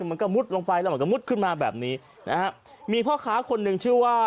มันก็มุดลงไปแล้วมันก็มุดขึ้นมาแบบนี้นะฮะมีพ่อค้าคนหนึ่งชื่อว่า